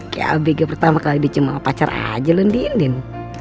kayak abegel pertama kali dicium mama pacar aja lo andien